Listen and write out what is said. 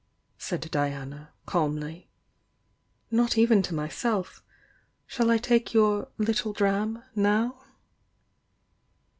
said Diana, calmly. "Not even to myself. Shall I take your 'little dram' now?"